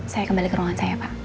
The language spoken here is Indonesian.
saya kembali ke ruangan saya pak